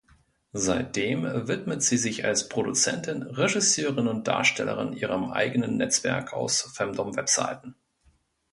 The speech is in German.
Seitdem widmet sie sich als Produzentin, Regisseurin und Darstellerin ihrem eigenen Netzwerk aus Femdom-Webseiten.